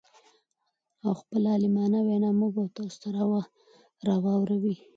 او خپله عالمانه وينا موږ او تاسو ته را واور وي.